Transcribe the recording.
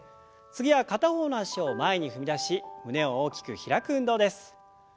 次は片方の脚を前に踏み出し胸を大きく開く運動です。